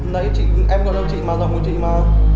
nãy em gọi cho chị mà giọng của chị mà